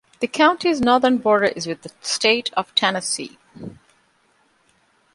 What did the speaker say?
The county's northern border is with the State of Tennessee.